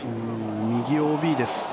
右、ＯＢです。